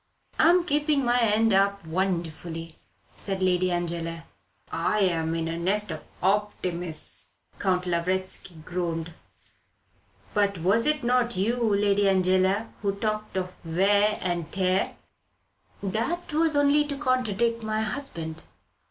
"I am keeping my end up wonderfully," said Lady Angela. "I am in a nest of optimists," Count Lavretsky groaned. "But was it not you, Lady Angela, who talked of wear and tear. "That was only to contradict my husband."